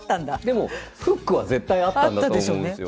でもフックは絶対あったんだと思うんですよ。